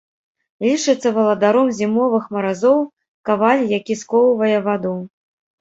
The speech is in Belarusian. Лічыцца валадаром зімовых маразоў, каваль, які скоўвае ваду.